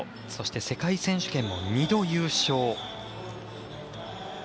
そして、世界選手権も２度優勝。